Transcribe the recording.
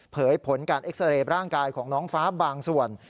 ผลการเอ็กซาเรย์ร่างกายของน้องฟ้าบางส่วน